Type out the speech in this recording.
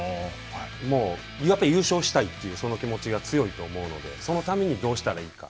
もう優勝したいという、その気持ちが強いと思うので、そのためにどうしたらいいか。